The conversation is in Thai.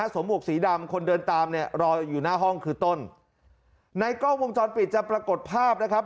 หมวกสีดำคนเดินตามเนี่ยรออยู่หน้าห้องคือต้นในกล้องวงจรปิดจะปรากฏภาพนะครับ